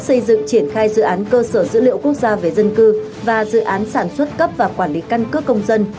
xây dựng triển khai dự án cơ sở dữ liệu quốc gia về dân cư và dự án sản xuất cấp và quản lý căn cước công dân